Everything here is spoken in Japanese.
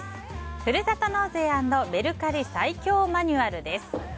ふるさと納税＆メルカリ最強マニュアルです。